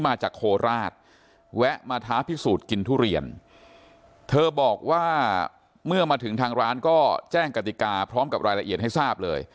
มาจากโคราชแวะมาท้าพิสูจน์กินทุเรียนเธอบอกว่าเมื่อมาถึงทางร้านก็แจ้งกติกาพร้อมกับรายละเอียดให้ทราบเลย